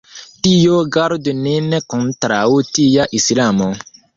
Dio gardu nin kontraŭ tia islamo!